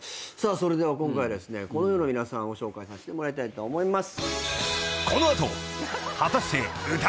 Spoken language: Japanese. それでは今回このような皆さんを紹介させてもらいたいと思います。